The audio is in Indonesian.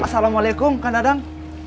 assalamualaikum kak dadang